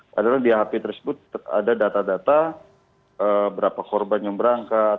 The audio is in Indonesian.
padahal di hp tersebut ada data data berapa korban yang berangkat